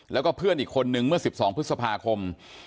แล้วก็เพื่อนอีกคนนึงเมื่อ๑๒พฤษภาคม